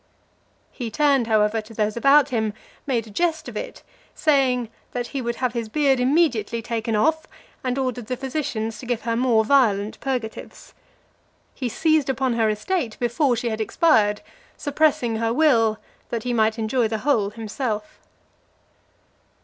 He turned, however, to those about him, made a jest of it, saying, that he would have his beard immediately taken off, and ordered the physicians to give her more violent purgatives. He seized upon her estate before she had expired; suppressing her will, that he might enjoy the whole himself.